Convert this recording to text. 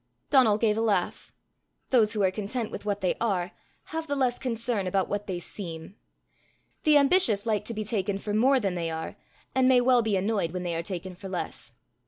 Donal gave a laugh. Those who are content with what they are, have the less concern about what they seem. The ambitious like to be taken for more than they are, and may well be annoyed when they are taken for less.